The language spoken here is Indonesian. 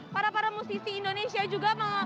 para para musisi indonesia juga